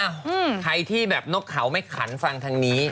ใครที่แบบนกเขาไม่ขันฟังทางนี้